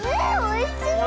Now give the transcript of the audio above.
おいしい？